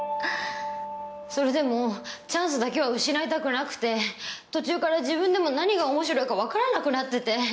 それでもチャンスだけは失いたくなくて途中から自分でも何が面白いか分からなくなってて。